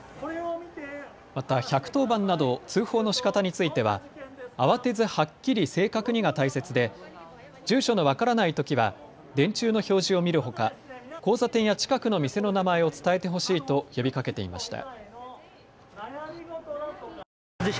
また１１０番など通報のしかたについては、あわてず、はっきり、正確にが大切で住所の分からないときは電柱の表示を見るほか交差点や近くの店の名前を伝えてほしいと呼びかけていました。